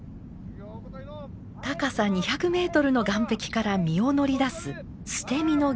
高さ２００メートルの岩壁から身を乗り出す捨て身の行です。